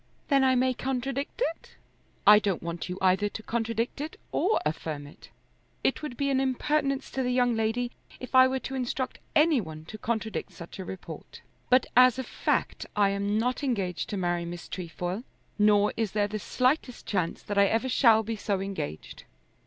"Then I may contradict it." "I don't want you either to contradict it or affirm it. It would be an impertinence to the young lady if I were to instruct any one to contradict such a report. But as a fact I am not engaged to marry Miss Trefoil, nor is there the slightest chance that I ever shall be so engaged."